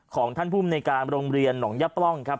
ของท่านผู้บริการโรงเรียนหลยปร่อง